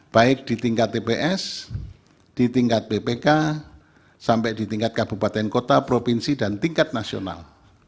baik di tingkat tps di tingkat bpk sampai di tingkat kabupaten kota provinsi dan tingkat nasional